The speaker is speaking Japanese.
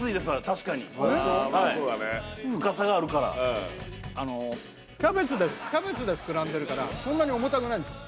確かに深さがあるからキャベツで膨らんでるからそんなに重たくないんです